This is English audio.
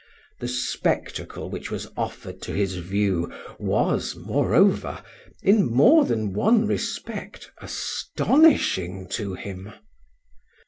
The spectacle which was offered to his view was, moreover, in more than one respect astonishing to him.